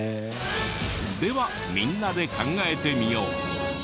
ではみんなで考えてみよう。